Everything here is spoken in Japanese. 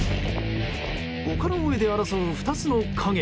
丘の上で争う２つの影。